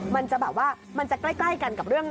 มันจะแบบว่ามันจะใกล้กันกับเรื่อง